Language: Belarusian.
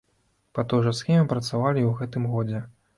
Па той жа схеме працавалі і ў гэтым годзе.